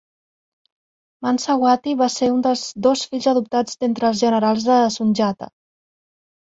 Mansa Wati va ser un dels dos fills adoptats d'entre els generals de Sundjata.